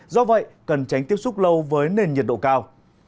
do vậy cần tránh tiếp xúc lâu với nền nhiệt độ cao